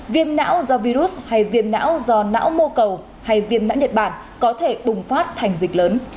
viêm não do virus hay viêm não do não mô cầu hay viêm não nhật bản có thể bùng phát thành dịch lớn